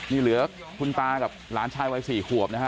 นี่เหลือคุณตากับหลานชายวัย๔ขวบนะฮะ